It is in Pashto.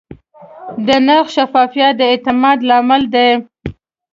د نرخ شفافیت د اعتماد لامل دی.